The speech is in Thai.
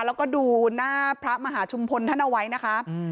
แล้วก็ดูหน้าพระมหาชุมพลท่านเอาไว้นะคะ